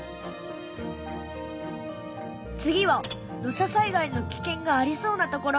次は土砂災害の危険がありそうな所。